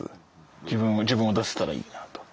自分も自分を出せたらいいなと。